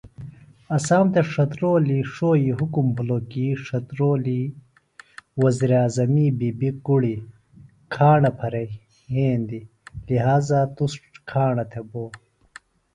اسام تھےۡ ڇھترولی ݜوئی حُکم بھِلوۡکیۡ ڇھترولیۡ وزیراعظمی بی بی (کُڑیۡ) کھاݨہ پھرےۡ یھیندیۡ لہٰذا تُس کھاݨہ تھےۡ بوئیۡ